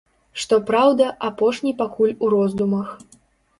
Што праўда, апошні пакуль у роздумах.